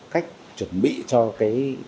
cách chuẩn bị cho cái